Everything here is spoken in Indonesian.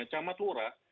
di kamar telura